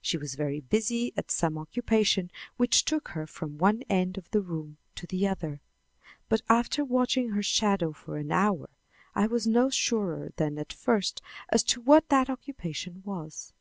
She was busy at some occupation which took her from one end of the room to the other; but after watching her shadow for an hour I was no surer than at first as to what that occupation was.